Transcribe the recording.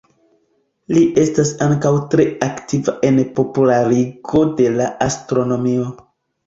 Li estas ankaŭ tre aktiva en popularigo de la astronomio.